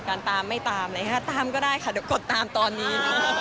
การตามไม่ตามตามก็ได้ค่ะเดี๋ยวกดตามตอนนี้